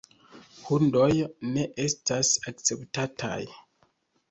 Hundoj ne estas akceptataj.